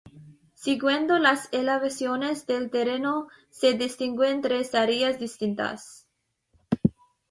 Siguiendo las elevaciones del terreno se distinguen tres áreas distintas.